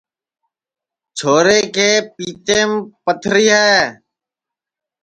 چھورے کے پِتیم پتھری ہے